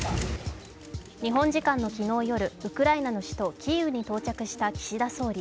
日本時間の昨日夜、ウクライナの首都キーウに到着した岸田総理。